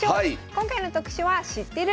今回の特集は「知ってる？